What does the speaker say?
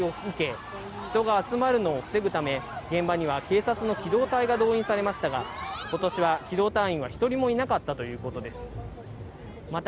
韓国メディアによりますと、去年は新型コロナの拡大を受け、人が集まるのを防ぐため、現場には警察の機動隊が動員されましたが、今年は機動隊員は１人もいなかったということです。